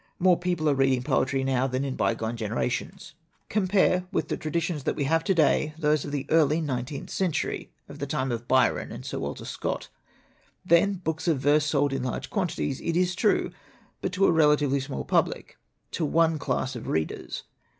More people are reading poetry now than in bygone generations. "Compare with the traditions that we have to day those of the early nineteenth century, of the time of Byron and Sir Walter Scott. Then books of verse sold in large quantities, it is true, but to a relatively small public, to one class of readers.